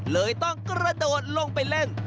เลยต้องกระโดดลงไปเล่น